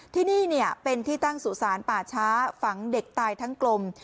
ที่นี่เป็นที่ตั้งสุสานป่าช้าฝังเด็กตายทั้งกลม